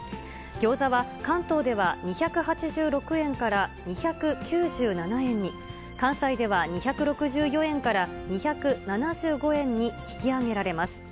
ギョーザは関東では２８６円から２９７円に、関西では２６４円から２７５円に引き上げられます。